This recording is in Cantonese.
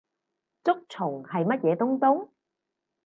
竹蟲係乜嘢東東？